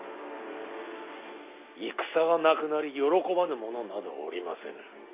戦がなくなり喜ばぬ者などおりませぬ。